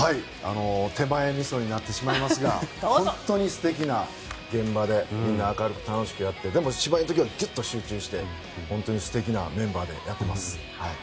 手前みそになってしまいますが本当に素敵な現場でみんな明るく楽しくやってでも、芝居の時は集中して本当に素敵なメンバーでやっています。